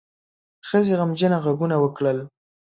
ښځې غمجنه غږونه وکړل.